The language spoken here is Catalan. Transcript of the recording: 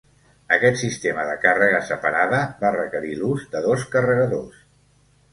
Aquest sistema de càrrega separada va requerir l'ús de dos carregadors.